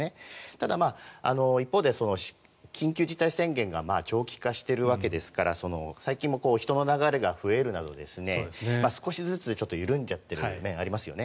ただ、一方で緊急事態宣言が長期化しているわけですから最近も人の流れが増えるなど少しずつちょっと緩んじゃっている面がありますよね。